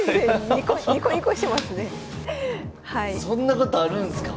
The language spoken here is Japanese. そんなことあるんすか？